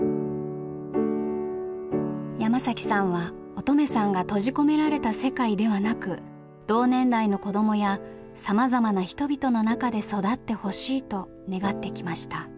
山さんは音十愛さんが閉じ込められた世界ではなく同年代の子どもやさまざまな人々の中で育ってほしいと願ってきました。